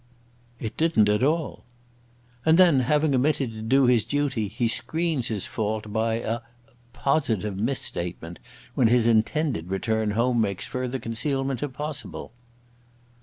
"It didn't at all." "And then, having omitted to do his duty, he screens his fault by a positive misstatement, when his intended return home makes further concealment impossible."